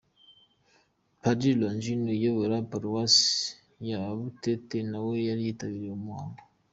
Padiri Longine uyobora paruwasi ya Butete nawe yari yitabiriye uwo muhango.